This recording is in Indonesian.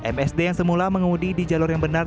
msd yang semula mengemudi di jalur yang benar